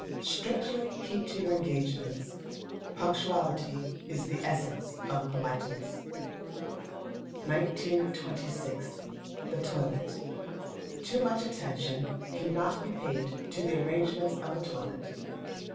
Strictly keep to your engagements. Punctuality is the essence of politeness. 1926. The Toilet. Too much attention cannot be paid to the arrangements of the toilet.